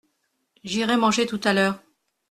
J’irai manger tout à l’heure.